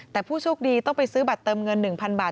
แต่ผู้โชคดีต้องไปซื้อบัตรเติมเงิน๑๐๐บาท